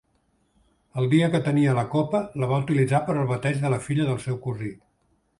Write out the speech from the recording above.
El dia que tenia la copa, la va utilitzar per al bateig de la filla del seu cosí.